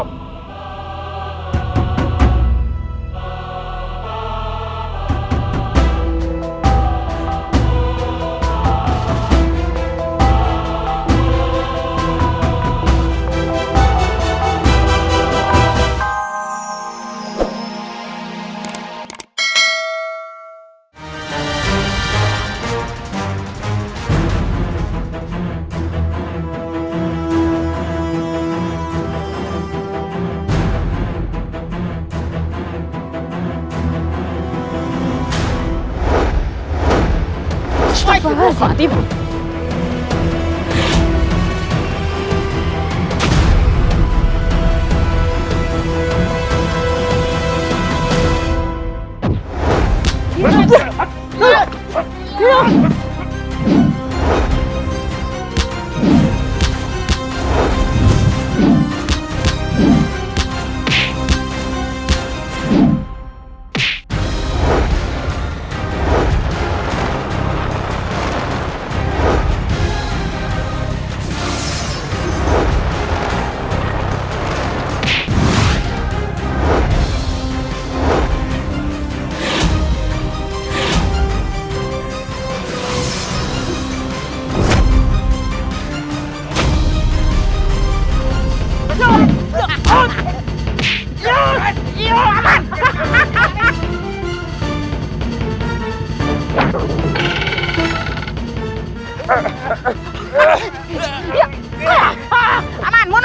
pertama yang siap biro